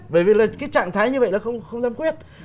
bởi vì cái trạng thái như vậy nó không dám quyết